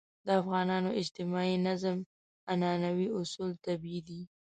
د افغانانو اجتماعي نظم عنعنوي اصول طبیعي دي.